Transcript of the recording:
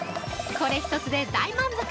これ一つで大満足！